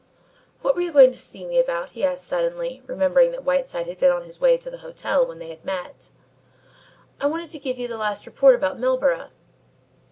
"What were you going to see me about?" he asked suddenly, remembering that Whiteside had been on his way to the hotel when they had met. "I wanted to give you the last report about Milburgh."